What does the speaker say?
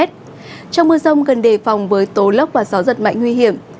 trong mưa rông cần đề phòng với tố lốc và gió giật mạnh nguy hiểm